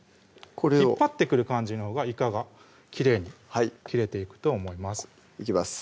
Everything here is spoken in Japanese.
これを引っ張ってくる感じのほうがいかがきれいに切れていくと思いますいきます